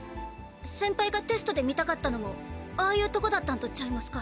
先輩がテストで見たかったのもああいうとこだったんとちゃいますか？